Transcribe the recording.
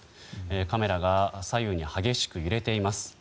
カメラが左右に激しく揺れています。